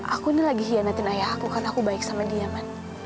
aku ini lagi hianatin ayah aku karena aku baik sama diaman